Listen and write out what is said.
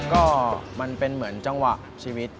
ก็มันเป็นเหมือนจังหวะชีวิต